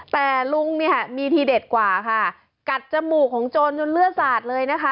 แต่ลุงเนี่ยมีทีเด็ดกว่าค่ะกัดจมูกของโจรจนเลือดสาดเลยนะคะ